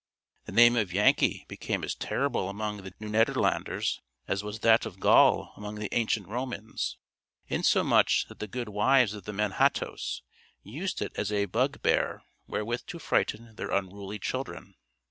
The name of Yankee became as terrible among the Nieuw Nederlanders as was that of Gaul among the ancient Romans, insomuch that the good wives of the Manhattoes used it as a bugbear wherewith to frighten their unruly children.